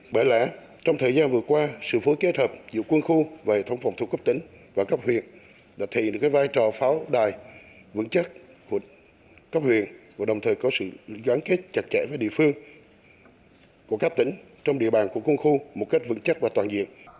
bởi lẽ trong thời gian vừa qua sự phối kết hợp giữa quân khu và hệ thống phòng thủ cấp tính và góp huyện đã thể hiện được vai trò pháo đài vững chắc của góp huyện và đồng thời có sự gắn kết chặt chẽ với địa phương